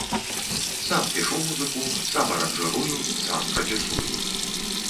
Сам пішу музыку, сам аранжырую, сам прадзюсую.